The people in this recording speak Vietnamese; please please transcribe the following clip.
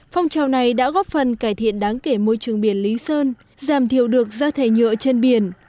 phong trào này đã góp phần cải thiện đáng kể môi trường biển lý sơn giảm thiểu được rác thải nhựa trên biển